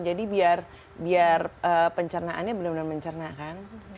jadi biar pencernaannya benar benar mencerna kan